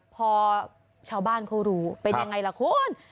พอชาวบ้านเขารู้เป็นยังไงล่ะคุณ